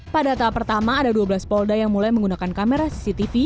pada tahap pertama ada dua belas polda yang mulai menggunakan kamera cctv